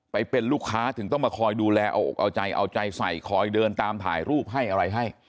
ไปเป็นลูกค้าถึงต้องมาคอยดูแลเอาอกเอาใจเอาใจใส่คอยเดินตามถ่ายรูปให้อะไรให้